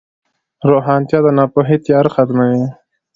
روښانتیا د ناپوهۍ تیاره ختموي.